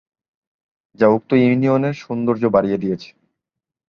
যা উক্ত ইউনিয়নের সৌন্দর্য বাড়িয়ে দিয়েছে।